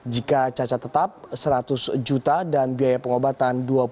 jika cacat tetap seratus juta dan biaya pengobatan